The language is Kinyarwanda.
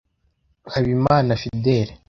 Habimana Fidele